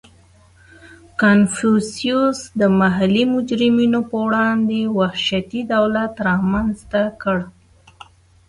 • کنفوسیوس د محلي مجرمینو په وړاندې وحشتي دولت رامنځته کړ.